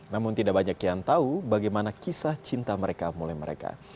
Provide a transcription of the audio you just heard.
namun tidak banyak yang tahu bagaimana kisah cinta mereka mulai mereka